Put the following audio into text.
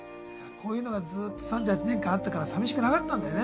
こういうのがずっと３８年間あったから寂しくなかったんだよね